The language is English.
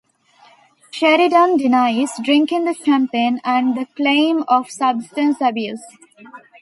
Sheridan denies drinking the champagne and the claim of substance abuse.